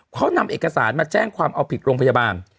เขานำเอกสารมาแจ้งความเอาผิดโรงพยาบาล